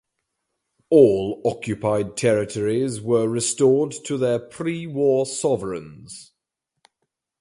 All occupied territories were restored to their pre-war sovereigns.